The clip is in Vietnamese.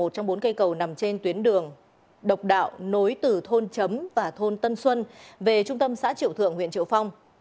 trong bốn cây cầu nằm trên tuyến đường độc đạo nối từ thôn chấm và thôn tân xuân về trung tâm xã triệu thượng huyện triệu phong